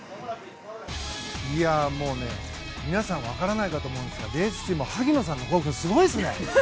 もうね、皆さんわからないと思うんですがレース中も萩野さんの興奮すごいですね。